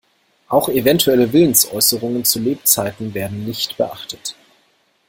Auch eventuelle Willensäußerungen zu Lebzeiten werden nicht beachtet.